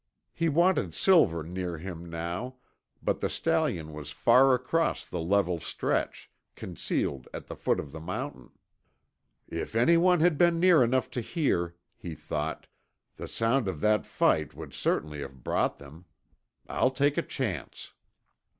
He wanted Silver near him now, but the stallion was far across the level stretch, concealed at the foot of the mountain. "If anyone had been near enough to hear," he thought, "the sound of that fight would certainly have brought them. I'll take a chance."